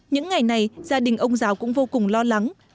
những ngày này gia đình ông giáo cũng vô cùng lo lắng